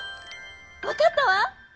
わかったわ！